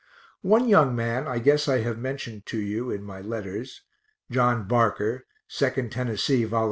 One young man I guess I have mentioned to you in my letters, John Barker, 2nd Tennessee Vol.